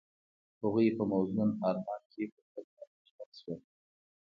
هغوی په موزون آرمان کې پر بل باندې ژمن شول.